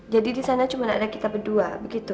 jadi disana cuma ada kita berdua begitu